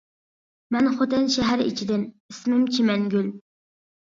-مەن خوتەن شەھەر ئىچىدىن، ئىسمىم چىمەنگۈل.